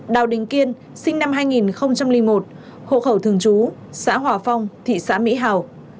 đào đình kiên sinh năm hai nghìn một hộ khẩu thương chú xã hòa phong thị xã mỹ hào